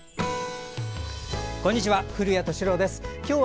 こんにちは。